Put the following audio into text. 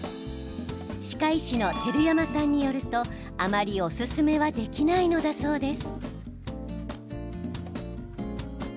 歯科医師の照山さんによるとあまり、おすすめはできないのだそうです。